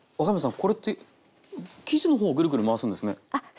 これって生地の方をグルグル回すんですね。